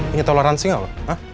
ini toleransi gak lo